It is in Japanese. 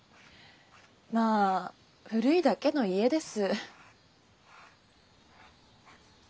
まあ古いだけの家です。